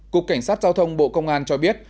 cục cảnh sát giao thông bộ công an cho biết